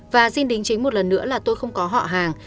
và xin đính chính một lần nữa là tôi không có họ hàng